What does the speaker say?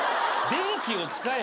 電気を使え。